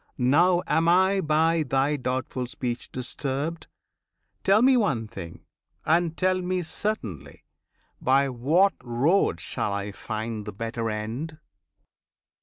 Now am I by thy doubtful speech disturbed! Tell me one thing, and tell me certainly; By what road shall I find the better end?